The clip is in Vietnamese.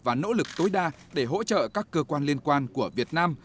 và nỗ lực tối đa để hỗ trợ các cơ quan liên quan của việt nam